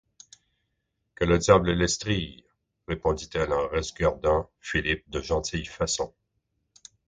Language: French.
Que le diable l’estrille ! respondit-elle en resguardant Philippe de gentille fasson.